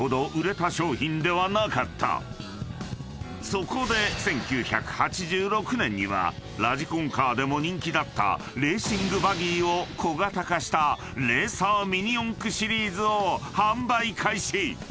［そこで１９８６年にはラジコンカーでも人気だったレーシングバギーを小型化したレーサーミニ四駆シリーズを販売開始］